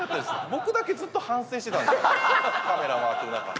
僕だけずっと反省してたカメラ回ってる中。